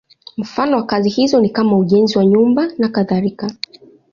Mfano wa kazi hizo ni kama ujenzi wa nyumba nakadhalika.